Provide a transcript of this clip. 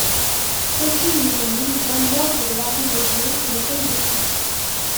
Couespel du Mesnil donne l'ordre de larguer les bouées et les caillebotis.